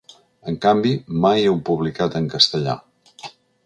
En canvi, mai heu publicat en castellà.